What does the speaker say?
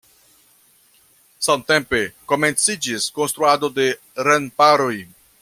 Samtempe komenciĝis konstruado de remparoj.